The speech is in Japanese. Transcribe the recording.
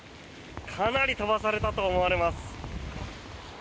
かなり飛ばされたと思われます。